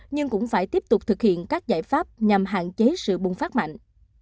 nhưng cũng phải tiếp tục thực hiện các giải pháp nhằm hạn chế sự bùng phát mạnh